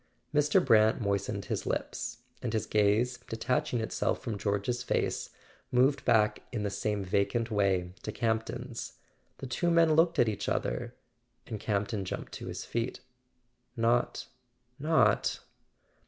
Mr. Brant moistened his lips, and his gaze, detach¬ ing itself from George's face, moved back in the same vacant way to Campton's. The two men looked at each other, and Campton jumped to his feet. "Not—not